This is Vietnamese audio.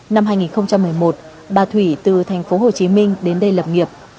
năm hai nghìn một mươi một bà thủy từ thành phố hồ chí minh đến đây lập nghiệp